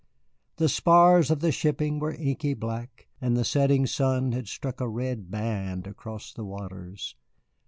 The spars of the shipping were inky black, and the setting sun had struck a red band across the waters.